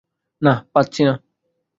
না, পাচ্ছি না।